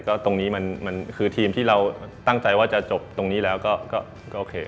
ก็ตรงนี้มันคือทีมที่เราตั้งใจว่าจะจบตรงนี้แล้วก็โอเค